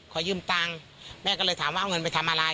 ขอยืมตังค์แม่ก็เลยถามว่าเอาเงินไปทำอะไร